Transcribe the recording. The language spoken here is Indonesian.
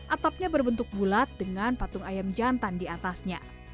atapnya berbentuk bulat dengan patung ayam jantan di atasnya